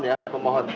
yang misalnya pak